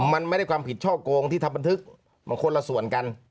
มันไม่ได้ความผิดช่อโกงที่ทำบันทึกมันคนละส่วนกัน